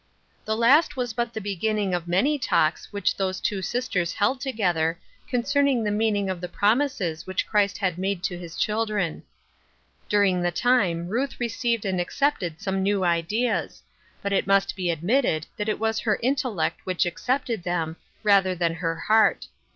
»» HE last was but the beginning of many talks which those two sisters held to gether concerning the meaning of the promises which Christ had made to his children. During the time Ruth received and accepted some new ideas ; but it must be admitted that it was her intellect which accepted them, rather than her heart.